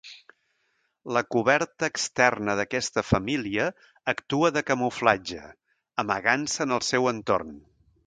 La coberta externa d'aquesta família actua de camuflatge, amagant-se en el seu entorn.